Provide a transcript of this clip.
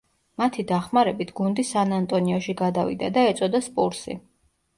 მათი დახმარებით გუნდი სან-ანტონიოში გადავიდა და ეწოდა სპურსი.